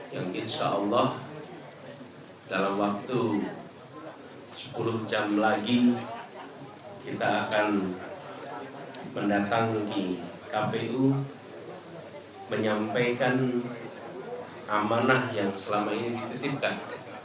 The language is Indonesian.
dan insya allah dalam waktu sepuluh jam lagi kita akan mendatang lagi kpu menyampaikan amanah yang selama ini dititipkan